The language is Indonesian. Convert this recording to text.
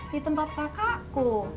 di tempat kakakku